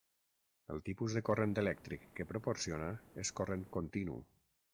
El tipus de corrent elèctric que proporciona és corrent continu.